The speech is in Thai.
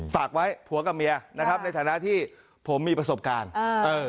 ฝากไว้ผัวกับเมียนะครับในฐานะที่ผมมีประสบการณ์อ่าเออ